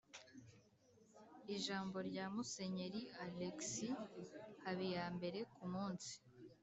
ijambo rya musenyeri alexis habiyambere ku munsi